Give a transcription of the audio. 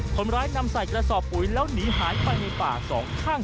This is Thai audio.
คนร้ายนำใส่กระสอบปุ๋ยแล้วหนีหายไปในป่าสองข้าง